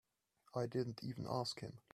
I didn't even ask him.